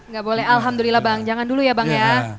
nggak boleh alhamdulillah bang jangan dulu ya bang ya